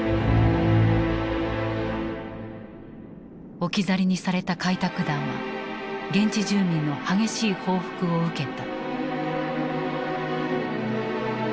置き去りにされた開拓団は現地住民の激しい報復を受けた。